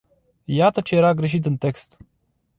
Iată ce era greșit în text.